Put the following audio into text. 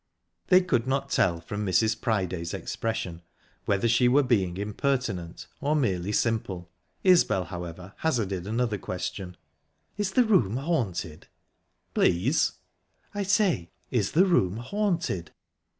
They could not tell from Mrs. Priday's expression whether she were being impertinent, or merely simple. Isbel, however, hazarded another question: "Is the room haunted?" "Please?" "I say, is the room haunted?"